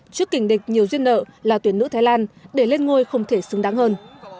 trước kình địch nhiều duyên nợ là tuyển nữ thái lan để lên ngôi không thể xứng đáng hơn